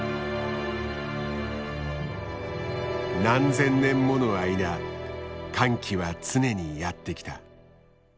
何千年もの間乾季は常にやってきた。